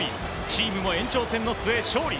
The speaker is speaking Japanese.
チームも延長戦の末勝利。